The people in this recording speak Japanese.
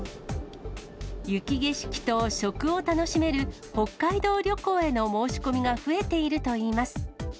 雪景色と食を楽しめる北海道旅行への申し込みが増えているといいます。